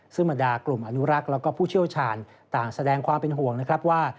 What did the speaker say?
ซึ่งบรรดากลุ่มอนุรักษ์แล้วก็ผู้เชี่ยวชาญต่างแสดงความเป็นห่วงนะครับว่า